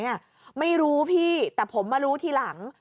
เข้ามาก่อนไหมอ่ะไม่รู้พี่แต่ผมมารู้ทีหลัง